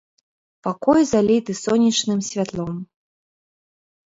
Пакой заліты сонечным святлом.